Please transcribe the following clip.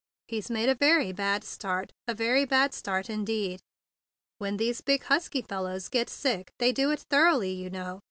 He's made a very bad start —a very bad start indeed. When these big, husky fellows get sick, they do it thoroughly, you know.